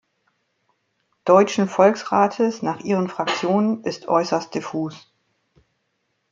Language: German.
Deutschen Volksrates nach ihren Fraktionen ist äußerst diffus.